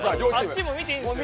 あっちも見ていいんですよね？